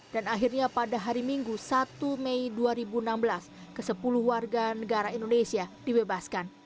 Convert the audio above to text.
dan akhirnya pada hari minggu satu mei dua ribu enam belas ke sepuluh warga negara indonesia dibebaskan